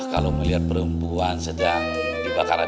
sekarang saya bener bener buru buru pak dosen